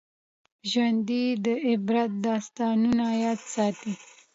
ژوندي د عبرت داستانونه یاد ساتي